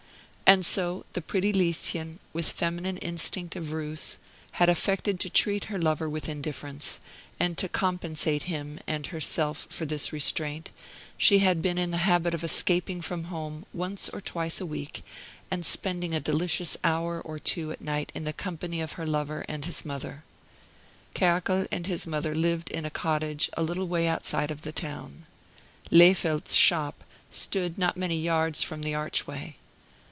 And so the pretty Lieschen, with feminine instinct of ruse, had affected to treat her lover with indifference; and to compensate him and herself for this restraint, she had been in the habit of escaping from home once or twice a week, and spending a delicious hour or two at night in the company of her lover and his mother. Kerkel and his mother lived in a cottage a little way outside the town. Lehfeldt's shop stood not many yards from the archway.